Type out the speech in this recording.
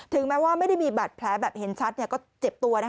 ถึงแม้ว่าไม่ได้มีแบบแผลเห็นชัดก็เจ็บตัว